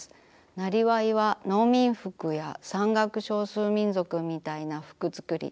なりわいは農民服や山岳少数民族みたいな服つくり。